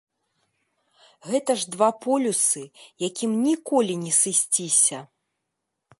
Гэта ж два полюсы, якім ніколі не сысціся.